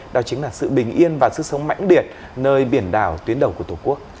đó chính là sự bình yên và sức sống mãnh liệt nơi biển đảo tuyến đầu của tổ quốc